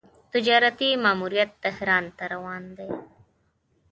تجارتي ماموریت تهران ته روان دی.